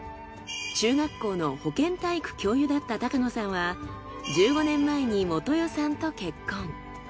中学校の保健体育教諭だった野さんは１５年前に基代さんと結婚。